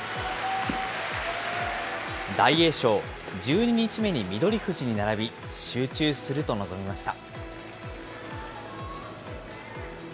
大栄翔、１２日目に翠富士に並び、集中すると臨みました。